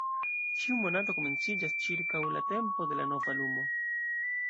Ĉiu monato komenciĝas ĉirkaŭ la tempo de la nova luno.